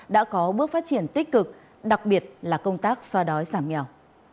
đã có bước phát triển tích cực đặc biệt là công tác xoa đói giảm nghèo